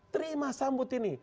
terima sambut ini